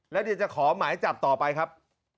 และจะขอหมายจับต่อไปครับ